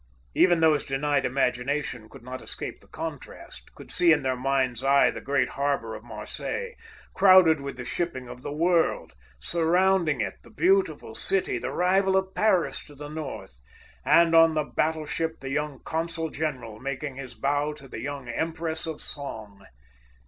Even those denied imagination could not escape the contrast, could see in their mind's eye the great harbor of Marseilles, crowded with the shipping of the world, surrounding it the beautiful city, the rival of Paris to the north, and on the battleship the young consul general making his bow to the young Empress of Song.